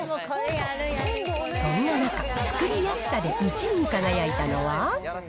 そんな中、作りやすさで１位に輝いたのは。